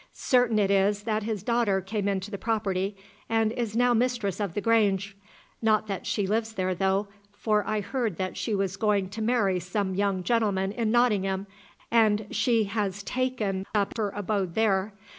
Certain it is that his daughter came into the property, and is now mistress of the Grange. Not that she lives there though, for I heard that she was going to marry some young gentleman in Nottingham, and she has taken up her abode there.